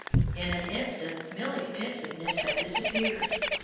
In an instant Milly's pensiveness had disappeared.